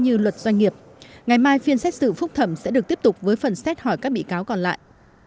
như luật doanh nghiệp ngày mai phiên xét xử phúc thẩm sẽ được tiếp tục với phần xét hỏi các bị cáo còn lại